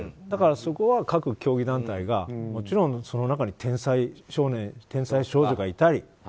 だから、そこは各競技団体がもちろんその中に天才少年、天才少女がいたり。